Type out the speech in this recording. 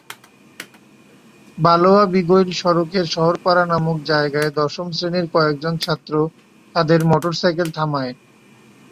বালোয়া-বিগইল সড়কের শহরপাড়া নামক জায়গায় দশম শ্রেণীর কয়েকজন ছাত্র তাঁদের মোটরসাইকেল থামায়।